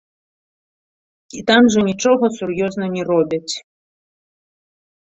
І там жа нічога сур'ёзна не робяць.